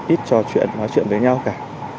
ít trò chuyện nói chuyện với nhau cả